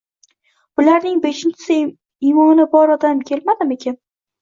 Bularning beshinchisi imoni bor odam kelmadimikin?